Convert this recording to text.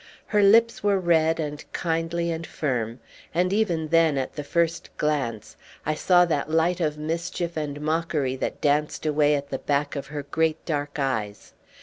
Her lips were red, and kindly, and firm; and even then, at the first glance, I saw that light of mischief and mockery that danced away at the back of her great dark eyes.